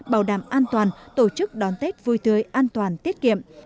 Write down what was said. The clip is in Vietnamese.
bảo đảm an toàn tổ chức đón tết vui tươi an toàn tiết kiệm